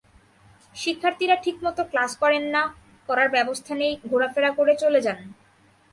শিক্ষার্থীরা ঠিকমতো ক্লাস করেন না, করার ব্যবস্থা নেই, ঘোরাফেরা করে চলে যান।